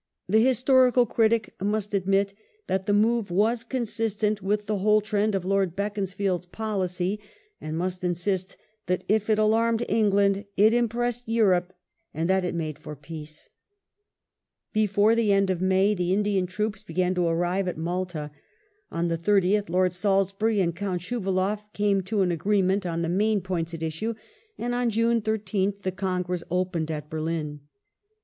^ The historical critic must admit that the move was consistent with the whole trend of Lord Beaconsfield's policy, and must insist that if it alarmed England it impressed Europe, and that it made for peace. The Before the end of May the Indian troops began to airive at BaUn °^ M^l^^ y o" ^^^ ^^t^ Lord Salisbury and Cbunt SchuvaloiF came to an agreement on the main points at issue, and on June IBth the Congress opened at Berlin.